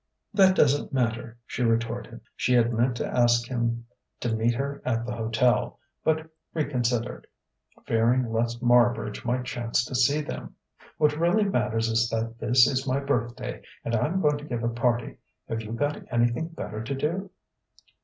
"That doesn't matter," she retorted. She had meant to ask him to meet her at the hotel, but reconsidered, fearing lest Marbridge might chance to see them. "What really matters is that this is my birthday and I'm going to give a party. Have you got anything better to do?"